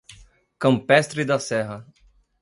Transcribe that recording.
Campestre da Serra